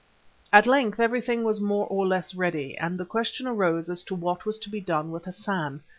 At length everything was more or less ready, and the question arose as to what was to be done with Hassan.